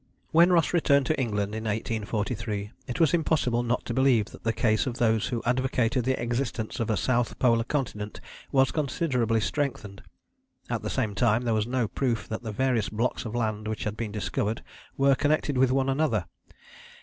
When Ross returned to England in 1843 it was impossible not to believe that the case of those who advocated the existence of a South Polar continent was considerably strengthened. At the same time there was no proof that the various blocks of land which had been discovered were connected with one another.